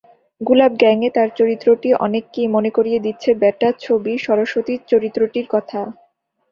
গুলাব গ্যাংয়ে তাঁর চরিত্রটি অনেককেই মনে করিয়ে দিচ্ছে বেটা ছবির স্বরসতী চরিত্রটির কথা।